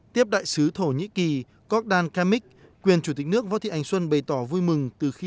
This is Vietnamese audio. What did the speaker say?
tiếp đại sứ thổ nhĩ kỳ cogdan kamik quyền chủ tịch nước võ thị ánh xuân bày tỏ vui mừng từ khi